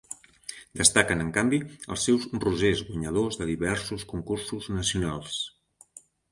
Destaquen, en canvi, els seus rosers, guanyadors de diversos concursos nacionals.